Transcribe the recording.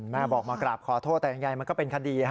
แม่บอกมากราบขอโทษแต่ยังไงมันก็เป็นคดี